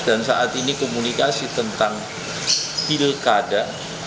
dan saat ini komunikasi tentang pilkada